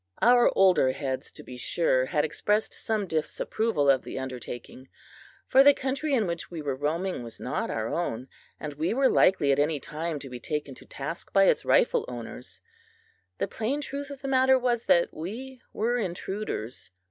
Our older heads, to be sure, had expressed some disapproval of the undertaking, for the country in which we were roaming was not our own, and we were likely at any time to be taken to task by its rightful owners. The plain truth of the matter was that we were intruders.